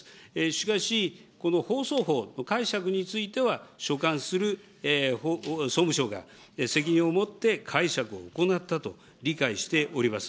しかし、この放送法の解釈については、所管する総務省が責任を持って解釈を行ったと理解しております。